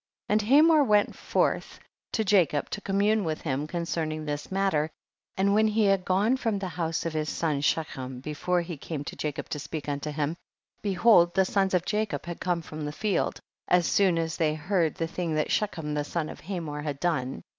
19. And Hamor went forth to Jacob to commune with him con cerning this matter, and when he had gone from the house of his son Shechem, before he came to Jacob to speak unto him, behold the sons of Jacob had come from the field, as soon as they heard the thing that 7 Shechem the son of Hamor had done.